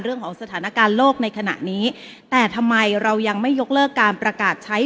เรื่องของสถานการณ์โลกในขณะนี้แต่ทำไมเรายังไม่ยกเลิกการประกาศใช้